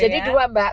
jadi dua mbak